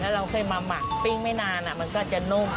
เราเคยมาหมักปิ้งไม่นานมันก็จะนุ่ม